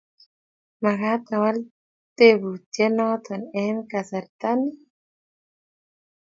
Makat awal teputyet notok eng kasarta ni?